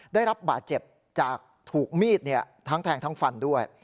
ได้รับบาดเจ็บจากถูกมีดทั้งแทงทั้งฟันด้วย